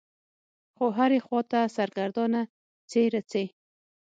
خو هرې خوا ته سرګردانه څي رڅي.